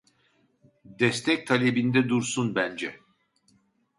Destek talebinde dursun bence